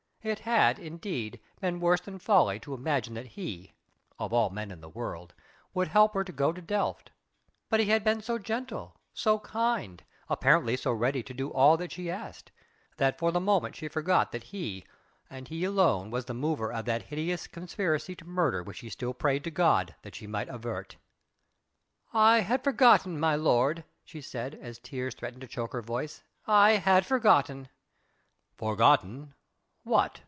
It had, indeed, been worse than folly to imagine that he of all men in the world would help her to go to Delft. But he had been so gentle, so kind, apparently so ready to do all that she asked, that for the moment she forgot that he and he alone was the mover of that hideous conspiracy to murder which she still prayed to God that she might avert. "I had forgotten, my lord," she said, as tears threatened to choke her voice, "I had forgotten." "Forgotten? What?"